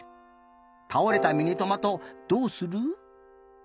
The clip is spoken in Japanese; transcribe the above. たおれたミニトマトどうする？